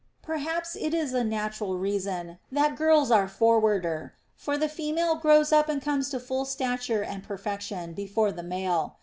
Perhaps it's a natural reason, that girls are forwarder, for the female grows up and comes to full stature and perfection before the male.